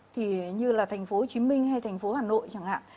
thì như là thành phố hồ chí minh hay thành phố hà nội chẳng hạn